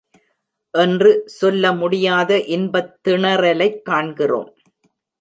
என்று சொல்ல முடியாத இன்பத் திணறலைக் காண்கிறோம்.